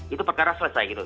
itu perkara selesai gitu